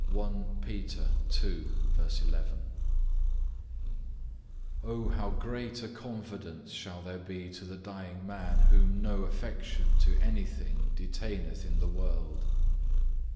(1) 2. "Oh how great a confidence shall there be to the dying man whom no affection to anything detaineth in the world?